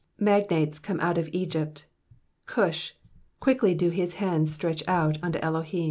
32 Magnates come out of Egypt, Cush — quickly do his hands stretch out unto Elohim.